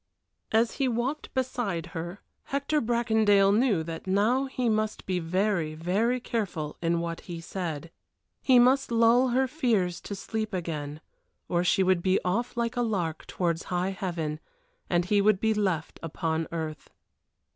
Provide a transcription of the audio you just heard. As he walked beside her, Hector Bracondale knew that now he must be very, very careful in what he said. He must lull her fears to sleep again, or she would be off like a lark towards high heaven, and he would be left upon earth.